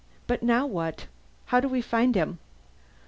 "But now what? How do we find him?"